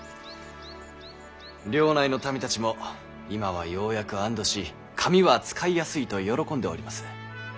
領内の民たちも今はようやく安堵し紙は使いやすいと喜んでおりまする。